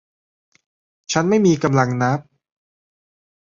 ฉันไม่มีกำลังนับ